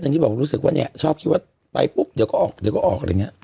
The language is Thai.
ที่บอกรู้สึกว่าเนี่ยชอบคิดว่าไปปุ๊บเดี๋ยวก็ออกเดี๋ยวก็ออกอะไรอย่างนี้